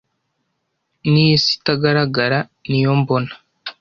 n'isi itagaragara n'iyo mbona